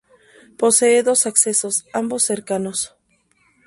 Posee dos accesos, ambos cercanos.